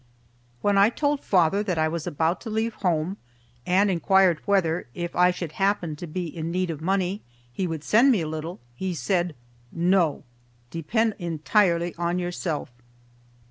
When I told father that I was about to leave home, and inquired whether, if I should happen to be in need of money, he would send me a little, he said, "No; depend entirely on yourself."